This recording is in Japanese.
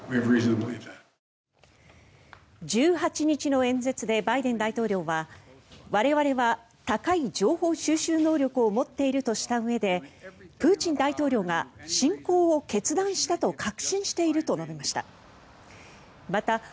１８日の演説でバイデン大統領は我々は高い情報収集能力を持っているとしたうえでプーチン大統領が侵攻を決断したと確信していると述べました。